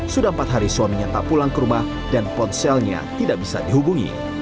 sudah empat hari suaminya tak pulang ke rumah dan ponselnya tidak bisa dihubungi